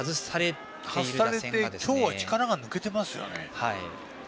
外されて今日は力が抜けていますよね。